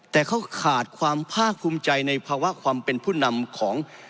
แต่เขาขาดความภาคภูมิใจในภาวะความเป็นผู้นำของ